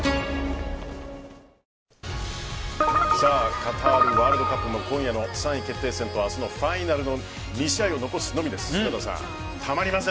カタールワールドカップも今夜の３位決定戦と明日のファイナルの２試合を残すのみです、柴田さん。